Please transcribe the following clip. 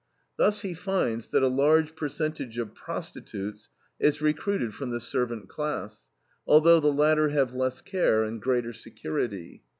Thus he finds that a large percentage of prostitutes is recruited from the servant class, although the latter have less care and greater security.